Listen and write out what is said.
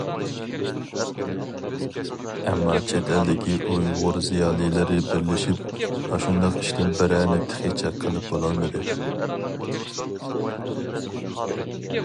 ئەمما چەت ئەلدىكى ئۇيغۇر زىيالىيلىرى بىرلىشىپ، ئاشۇنداق ئىشتىن بىرەرنى تېخىچە قىلىپ بولالمىدى.